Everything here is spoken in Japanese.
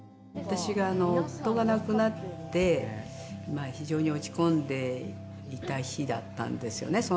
私が、夫が亡くなって非常に落ち込んでいた日だったんですよね。